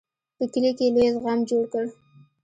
په کلي کې یې لوی غم جوړ کړ.